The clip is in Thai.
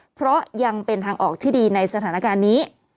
เพราะยังเป็นทางออกที่ดีในสถานการณ์นี้